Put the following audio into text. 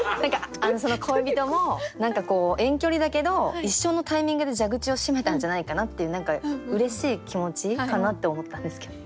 その恋人も何かこう遠距離だけど一緒のタイミングで蛇口を閉めたんじゃないかなっていう何かうれしい気持ちかなって思ったんですけど。